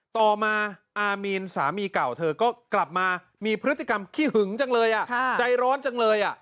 ต่อมาอามีนสามีเก่าเธอก็กลับมามีพฤติกรรมขี้หึงจังเลยใจร้อนจังเลย